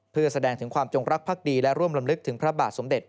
เพื่อแสดงถึงความจงรักภักดีและร่วมลำลึกถึงพระบาทสมเด็จ